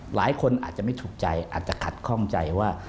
หลายคนอาจจะไม่ถูกใจอาจจะขัดข้องใจว่า